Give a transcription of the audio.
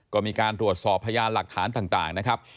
ก็มีการตรวจสอบพยานหลักฐานต่างนะครับ